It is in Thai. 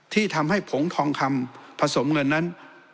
ที่ทำให้ผงทองคำผสมเงินนั้น